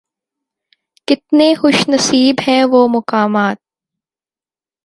کتنے خوش نصیب ہیں وہ مقامات